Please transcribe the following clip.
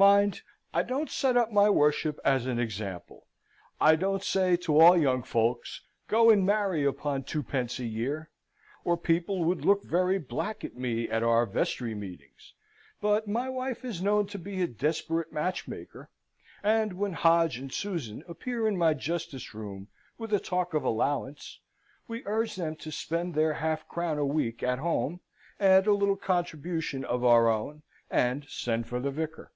Mind, I don't set up my worship as an example. I don't say to all young folks, "Go and marry upon twopence a year;" or people would look very black at me at our vestry meetings; but my wife is known to be a desperate match maker; and when Hodge and Susan appear in my justice room with a talk of allowance, we urge them to spend their half crown a week at home, add a little contribution of our own, and send for the vicar.